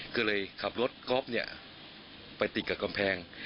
ก็เลยขับรถกรอบเนี่ยไปติดกับกำแพง